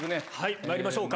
まいりましょうか。